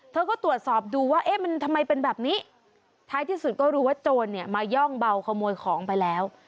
เธอก็ตรวจสอบดูว่าเอ๊ะมันทำไมเป็นแบบนี้ท้ายที่สุดก็รู้ว่าโจรเนี่ยมาย่องเบาขโมยของไปแล้ว